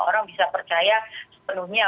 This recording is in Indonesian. orang bisa percaya sepenuhnya